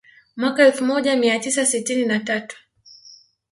Mwaka elfu moja mia tisa sitini na tatu